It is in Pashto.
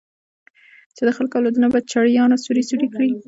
چې د خلکو اولادونه په چړيانو سوري سوري کړي.